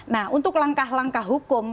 nah untuk langkah langkah hukum